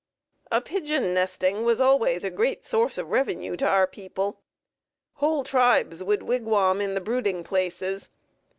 A pigeon nesting was always a great source of revenue to our people. Whole tribes would wigwam in the brooding places.